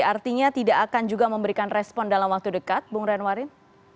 artinya tidak akan juga memberikan respon dalam waktu dekat bung renwarin